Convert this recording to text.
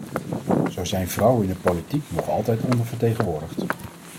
Zo zijn vrouwen in de politiek nog altijd ondervertegenwoordigd.